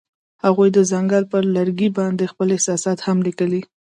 هغوی د ځنګل پر لرګي باندې خپل احساسات هم لیکل.